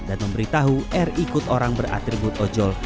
dan memberitahu r ikut orang beratribut ojol